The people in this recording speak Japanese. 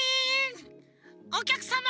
おきゃくさま